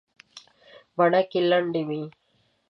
بڼکې لندې وې.